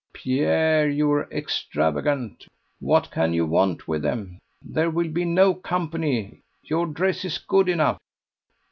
"Pierre, you are extravagant. What can you want with them? There will be no company; your dress is good enough."